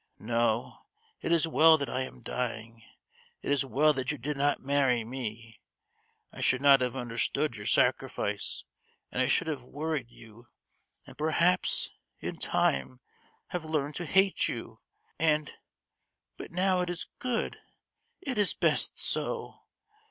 No, it is well that I am dying; it is well that you did not marry me! I should not have understood your sacrifice, and I should have worried you, and perhaps, in time, have learned to hate you, and ... but now it is good, it is best so!